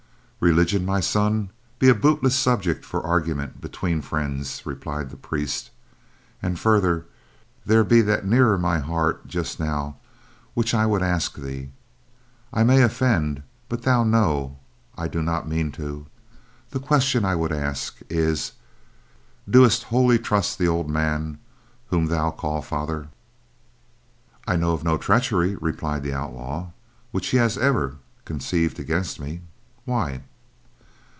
"Religion, my son, be a bootless subject for argument between friends," replied the priest, "and further, there be that nearer my heart just now which I would ask thee. I may offend, but thou know I do not mean to. The question I would ask, is, dost wholly trust the old man whom thou call father?" "I know of no treachery," replied the outlaw, "which he hath ever conceived against me. Why?"